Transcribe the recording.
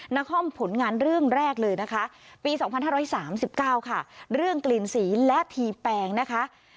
นครผลงานเรื่องแรกเลยนะคะปี๒๕๓๙ค่ะเรื่องกลิ่นสีและทีแปงนะคะ